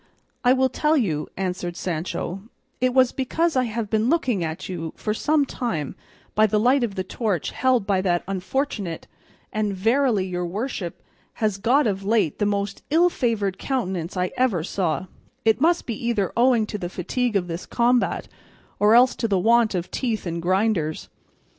"I will tell you," answered Sancho; "it was because I have been looking at you for some time by the light of the torch held by that unfortunate, and verily your worship has got of late the most ill favoured countenance I ever saw: it must be either owing to the fatigue of this combat, or else to the want of teeth and grinders."